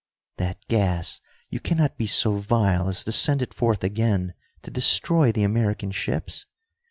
"That gas you cannot be so vile as to send it forth again, to destroy the American ships?"